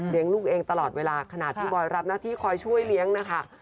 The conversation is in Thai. ลูกเองตลอดเวลาขนาดพี่บอยรับหน้าที่คอยช่วยเลี้ยงนะคะ